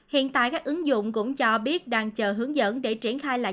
hiện tại các ứng dụng cũng cho biết đang chờ hướng dẫn để triển khai lại